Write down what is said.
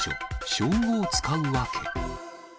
称号使う訳。